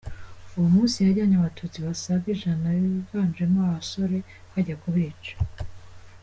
Uwo munsi bajyanye Abatutsi basaga ijana biganjemo abasore bajya kubica.